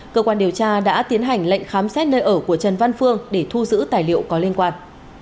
cơ quan điều tra đã tiến hành lệnh khám xét nơi ở của trần văn phương để thu giữ tài liệu có liên quan